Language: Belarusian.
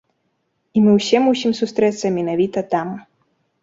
І мы ўсе мусім сустрэцца менавіта там.